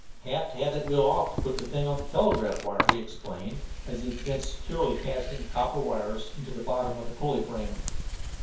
"Have to have that wheel off to put the thing on the telegraph wire," he explained, as he began securely fastening the copper wires into the bottom of the pulley frame.